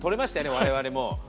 我々も。